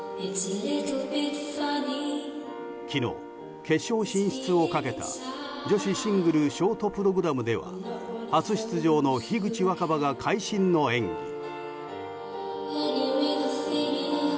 昨日、決勝進出をかけた女子シングルショートプログラムでは初出場の樋口新葉が会心の演技。